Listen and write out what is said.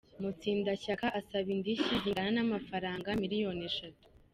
Mutsindashyaka asaba indishyi zingana n’amafaranga miliyoni eshatu.